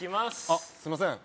あっすいません